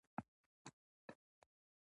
موږ د خپلو مشرانو فکري میراث په ویاړ یادوو.